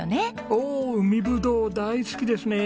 おお海ぶどう大好きですね。